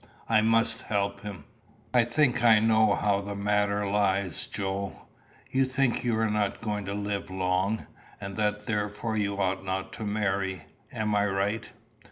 I must help him. "I think I know how the matter lies, Joe. You think you are not going to live long, and that therefore you ought not to marry. Am I right?"